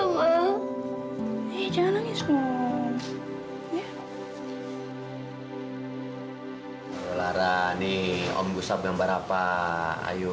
udah mama lila pergi jangan bander ya